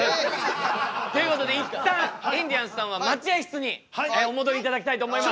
ということで一旦インディアンスさんは待合室にお戻りいただきたいと思います。